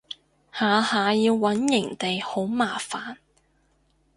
下下要搵營地好麻煩